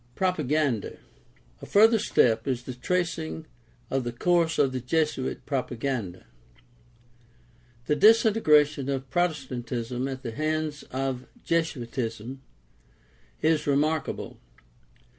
Propaganda. — A further step is the tracing of the course of the Jesuit propaganda. The disintegration of Protestant ism at the hands of Jesuitism is remarkable.